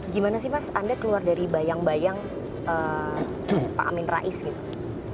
gimana sih mas anda keluar dari bayang bayang pak amin rais gitu